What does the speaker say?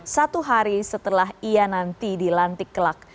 satu hari setelah ia nanti dilantik kelak